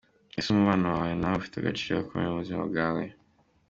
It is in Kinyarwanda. Ese umubano wawe nawe ufite agaciro gakomeye mu buzima bwawe?.